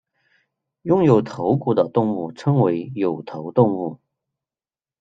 拥有头骨的动物称为有头动物。